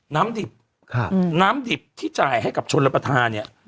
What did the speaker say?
ดิบน้ำดิบที่จ่ายให้กับชนรับประทานเนี่ย